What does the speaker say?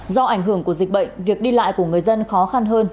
do ảnh hưởng của dịch bệnh việc đi lại của người dân khó khăn hơn